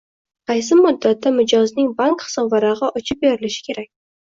qaysi muddatda mijozning bank hisobvarag‘i ochib berilishi kerak?